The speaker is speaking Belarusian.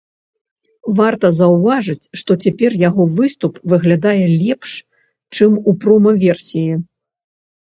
Варта заўважыць, што цяпер яго выступ выглядае лепш, чым у прома-версіі.